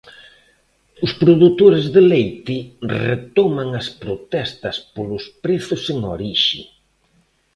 Os produtores de leite retoman as protestas polos prezos en orixe.